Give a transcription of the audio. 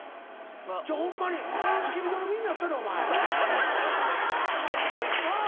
ホンマに付き人の身になったれお前。なぁ。